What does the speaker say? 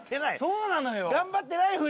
そうなのよ。